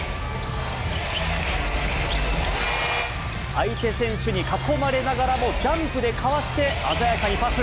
相手選手に囲まれながらも、ジャンプでかわして鮮やかにパス。